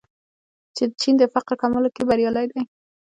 چین د فقر کمولو کې بریالی دی.